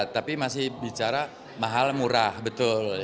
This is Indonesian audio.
tapi masih bicara mahal murah betul